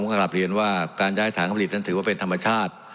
ก็กลับเรียนว่าการย้ายถังผลิตนั้นถือว่าเป็นธรรมชาติ